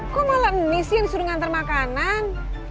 kok malah misin suruh ngantar makanan